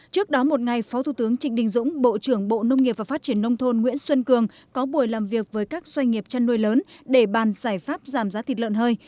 trước đó một ngày phó thủ tướng trịnh đình dũng bộ trưởng bộ nông nghiệp và phát triển nông thôn nguyễn xuân cường có buổi làm việc với các doanh nghiệp chăn nuôi lớn để bàn giải pháp giảm giá thịt lợn hơi